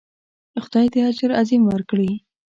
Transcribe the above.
خدای دې اجر عظیم ورکړي.